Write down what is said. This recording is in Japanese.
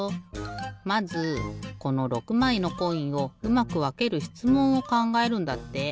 まずこの６まいのコインをうまくわけるしつもんをかんがえるんだって。